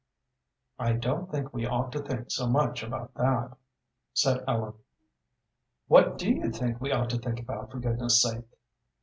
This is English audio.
"I don't think we ought to think so much about that," said Ellen. "What do you think we ought to think about, for goodness' sake?"